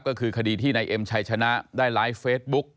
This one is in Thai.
ก็คือคดีที่นายเอ็มชัยชนะได้ไลฟ์เฟซบุ๊ก